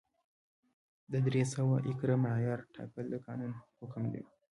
د درې سوه ایکره معیار ټاکل د قانون حکم و.